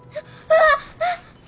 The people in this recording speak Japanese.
ああ。